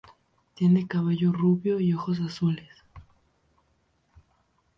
Tiene cabello rubio y ojos azules.